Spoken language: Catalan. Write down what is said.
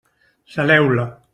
Saleu-la.